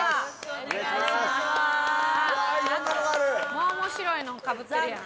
もう面白いのかぶってるやん。